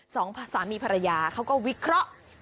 สองสามีภรรยาเขาก็วิเคราะห์